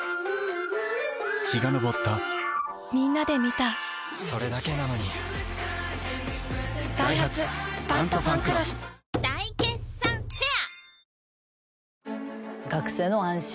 陽が昇ったみんなで観たそれだけなのにダイハツ「タントファンクロス」大決算フェア